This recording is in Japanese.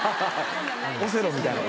オセロみたいな。